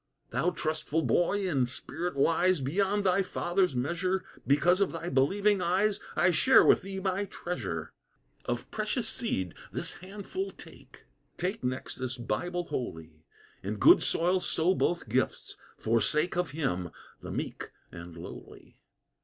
"Thou trustful boy, in spirit wise Beyond thy father's measure, Because of thy believing eyes I share with thee my treasure. "Of precious seed this handful take; Take next this Bible Holy: In good soil sow both gifts, for sake Of Him, the meek and lowly.